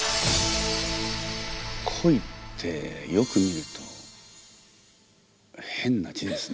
恋ってよく見ると変な字ですね。